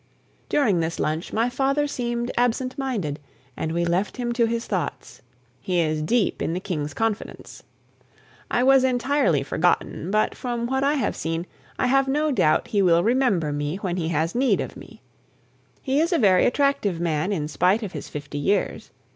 During this lunch my father seemed absent minded, and we left him to his thoughts; he is deep in the King's confidence. I was entirely forgotten; but, from what I have seen, I have no doubt he will remember me when he has need of me. He is a very attractive man in spite of his fifty years.